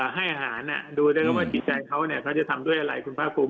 ให้อาหารอ่ะดูได้ว่าจิตใจเขาเนี่ยเขาจะทำด้วยอะไรคุณพระคุม